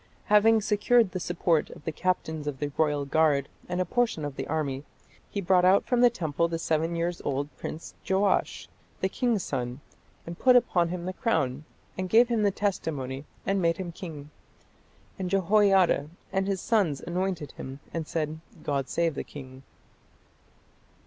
Having secured the support of the captains of the royal guard and a portion of the army, he brought out from the temple the seven years old prince Joash, "the king's son, and put upon him the crown, and gave him the testimony, and made him king. And Jehoiada and his sons anointed him, and said, God save the king.